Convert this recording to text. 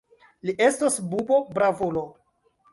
Li estos bubo-bravulo!